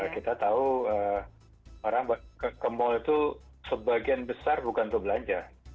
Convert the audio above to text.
kita tahu orang ke mal itu sebagian besar bukan untuk belanja